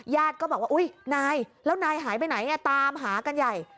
ก็บอกว่าอุ๊ยนายแล้วนายหายไปไหนตามหากันใหญ่